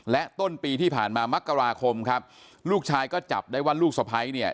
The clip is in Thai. และต้นปีที่ผ่านมามักกราคมครับลูกชายก็จับได้ว่าลูกสะพ้ายเนี่ย